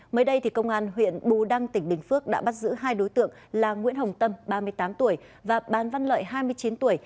mới đây công an huyện bù đăng tỉnh bình phước đã bắt giữ hai đối tượng là nguyễn hồng tâm ba mươi tám tuổi và bán văn lợi hai mươi chín tuổi